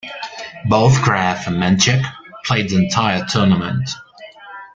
Both Graf and Menchik played the entire tournament.